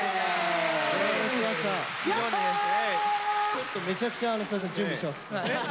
ちょっとめちゃくちゃ準備してます。